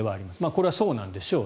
これはそうなんでしょう。